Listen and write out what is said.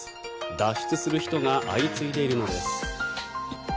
脱出する人が相次いでいるのです。